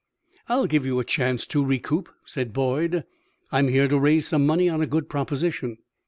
"I'll give you a chance to recoup," said Boyd. "I am here to raise some money on a good proposition."